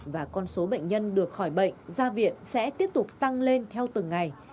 và con số bệnh nhân được khỏi bệnh ra viện sẽ tiếp tục tăng lên theo từng ngày